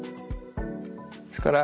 ですから